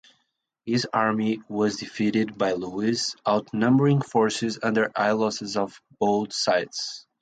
His army was defeated by Louis' outnumbering forces under high losses on both sides.